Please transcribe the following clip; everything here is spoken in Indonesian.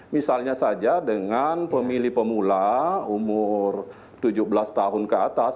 misalnya saja dengan pemilih pemula umur tujuh belas tahun ke atas